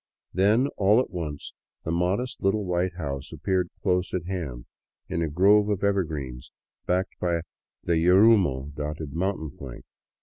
Then, all at once, the modest little white house appeared close at hand, in a grove of evergreens backed by the yarumo dotted mountain flank.